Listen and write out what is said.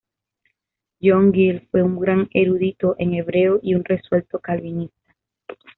John Gill fue un gran erudito en hebreo y un resuelto calvinista.